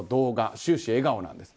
終始笑顔なんです。